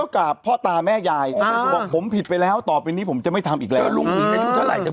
ก็เยอะแล้วเนอะเออโอโห